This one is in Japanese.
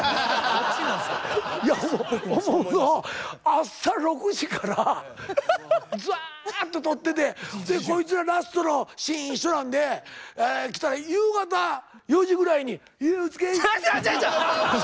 もう朝６時からずっと撮っててでこいつらラストのシーン一緒なんで来たら夕方４時ぐらいに「いやお疲れっす」。